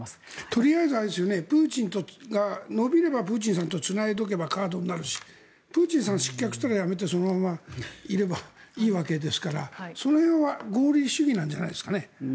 とりあえずプーチンが延びればプーチンさんとつないでおけばカードになるしプーチンさんが失脚したらそのままいればいいわけですからその辺は合理主義なんじゃないですかね。